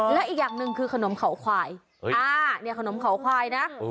และอีกอย่างหนึ่งคือขนมเขาควายอ่าเนี่ยขนมเขาควายนะ